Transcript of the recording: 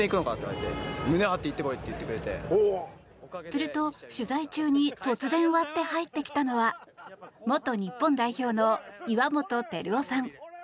すると、取材中に突然、割って入ってきたのは元日本代表の岩本輝雄さん。